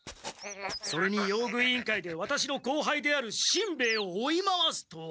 それに用具委員会でワタシの後輩であるしんべヱを追い回すとは！